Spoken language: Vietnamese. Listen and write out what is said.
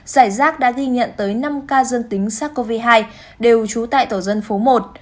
giải rác đã ghi nhận tới năm ca dương tính sars cov hai đều trú tại tổ dân phố một